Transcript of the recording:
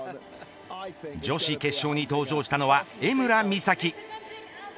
女子決勝に登場したのは江村美咲。